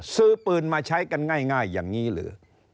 ซื้อปืนมาใช้กันง่ายอย่างนี้หรือ